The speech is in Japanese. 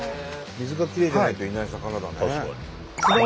水がきれいじゃないといない魚だね。